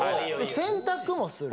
洗濯もする。